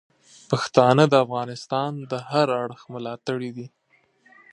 پښتانه د افغانستان د هر اړخ ملاتړي دي.